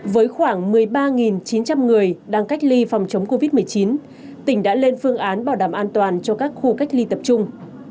với khoảng một mươi ba chín trăm linh người đang cách ly phòng chống covid một mươi chín tỉnh đã lên phương án bảo đảm an toàn cho các khu cách ly tập trung